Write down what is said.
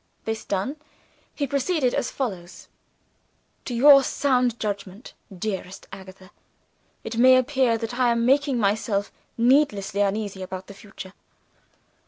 This done, he proceeded as follows: "To your sound judgment, dearest Agatha, it may appear that I am making myself needlessly uneasy about the future.